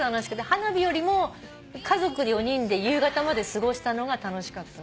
花火よりも家族で夕方まで過ごしたのが楽しかった。